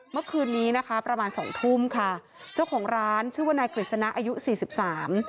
เมื่อคืนนี้นะคะประมาณสองทุ่มค่ะเจ้าของร้านชื่อว่านายกฤษณะอายุสี่สิบสาม